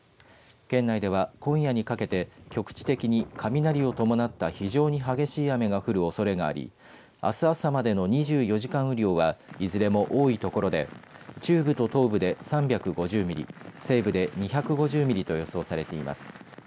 県内では今夜にかけて局地的に雷を伴った非常に激しい雨が降るおそれがありあす朝までの２４時間雨量はいずれも多い所で中部と東部で３５０ミリ西部で２５０ミリと予想されています。